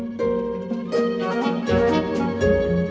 aku sudah berhasil